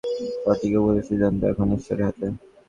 সঠিক ও ভুলের সিদ্ধান্ত, এখন ইশ্বরের হাতে।